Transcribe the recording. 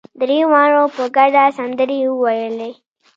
درېواړو په ګډه سندرې وويلې.